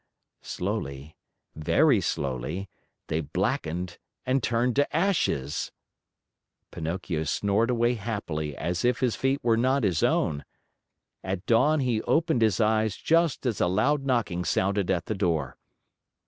Slowly, very slowly, they blackened and turned to ashes. Pinocchio snored away happily as if his feet were not his own. At dawn he opened his eyes just as a loud knocking sounded at the door.